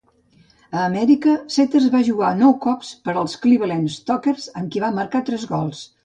A Amèrica, Setters va jugar nou cops per als Cleveland Stokers, amb qui va marcar tres gols.